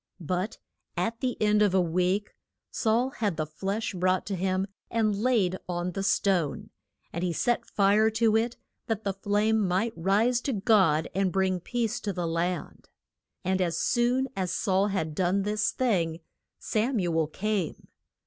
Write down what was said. But at the end of a week Saul had the flesh brought to him and laid on the stone, and he set fire to it, that the flame might rise to God and bring peace to the land. And as soon as Saul had done this thing, Sam u el came.